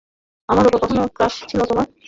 আমার ওপর কখনো ক্রাশ ছিল তোমার?